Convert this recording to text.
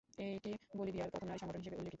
এটি বলিভিয়ার প্রথম নারী সংগঠন হিসেবে উল্লেখিত।